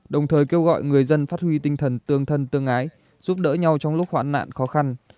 đồng thời kêu gọi người dân phát huy tinh thần tương thân tương ái giúp đỡ nhau trong lúc khoản nạn khó khăn